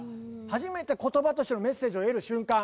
初めて言葉としてのメッセージを得る瞬間。